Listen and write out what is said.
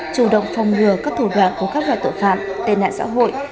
chủ động phòng ngừa các thủ đoạn của các loại tội phạm tên nạn xã hội